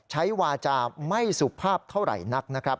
ใช้วาจาไม่สุภาพเท่าไหร่นักนะครับ